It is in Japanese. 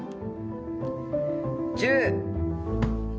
１０。